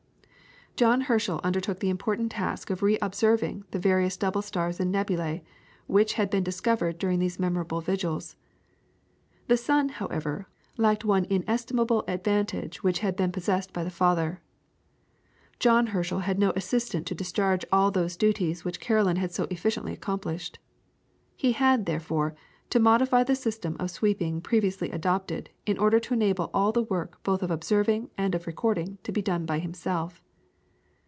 John Herschel undertook the important task of re observing the various double stars and nebulae which had been discovered during these memorable vigils. The son, however, lacked one inestimable advantage which had been possessed by the father. John Herschel had no assistant to discharge all those duties which Caroline had so efficiently accomplished. He had, therefore, to modify the system of sweeping previously adopted in order to enable all the work both of observing and of recording to be done by himself.